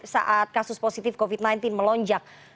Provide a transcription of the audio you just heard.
saat kasus positif covid sembilan belas melonjak